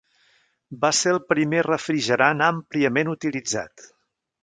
Va ser el primer refrigerant àmpliament utilitzat.